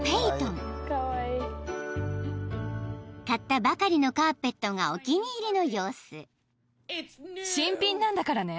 ［買ったばかりのカーペットがお気に入りの様子］